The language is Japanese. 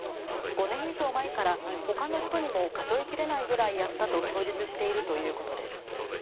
５年以上前からほかの人にも数え切れないぐらいやったと供述しているということです。